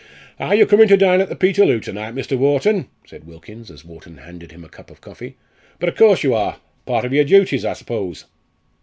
"Are yo' comin' to dine at the 'Peterloo' to night, Mr. Wharton?" said Wilkins, as Wharton handed him a cup of coffee; "but of coorse you are part of yower duties, I suppose?"